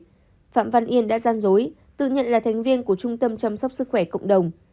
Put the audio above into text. nguyễn phạm văn yên đã gian dối tự nhận là thành viên của trung tâm chăm sóc sức khỏe cộng đồng